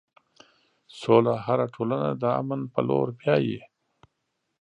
سوله هره ټولنه د امن په لور بیایي.